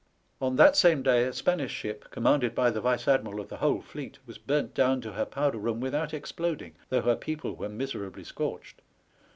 On that same day a Spanish ship, commanded by the vice admiral of the whole fleet, was burnt down to her powder room without exploding, though her people were miserably scorched.